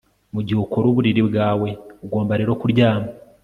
Mugihe ukora uburiri bwawe ugomba rero kuryama